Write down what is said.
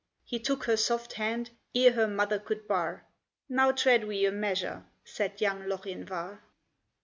He took her soft hand, ere her mother could bar, "Now tread we a measure!" said young Lochinvar.